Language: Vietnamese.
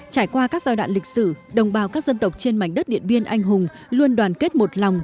trải qua các giai đoạn lịch sử đồng bào các dân tộc trên mảnh đất điện biên anh hùng luôn đoàn kết một lòng